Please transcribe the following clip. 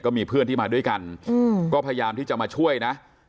มีเพื่อนที่มาด้วยกันก็พยายามที่จะมาช่วยนะ